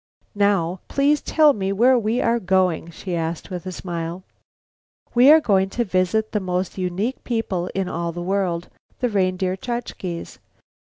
"Now, please tell me where we are going," she asked with a smile. "We are going to visit the most unique people in all the world the Reindeer Chukches.